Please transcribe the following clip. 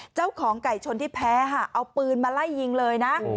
เจ้าของไก่ชนที่แพ้ค่ะเอาปืนมาไล่ยิงเลยนะ